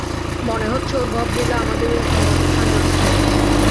মনে হচ্ছে ওর ভবনিলা আমাদেরই সাঙ্গ করতে হবে।